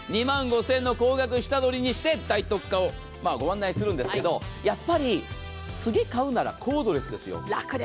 ２万５０００円の高額下取りにして大特価をご案内するんですけれども、やっぱり、次買うならコードレスですよ。